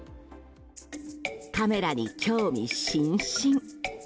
カメラに興味津々。